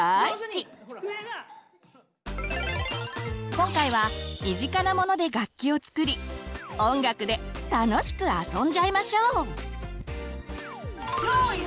今回は身近なモノで楽器を作り音楽で楽しくあそんじゃいましょう！